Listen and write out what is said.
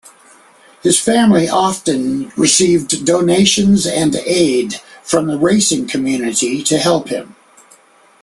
His family often received donations and aid from the racing community to help him.